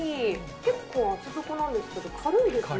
結構厚底なんですけれども、軽いですね。